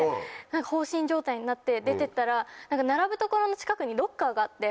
放心状態になって出てったら並ぶ所の近くにロッカーがあって。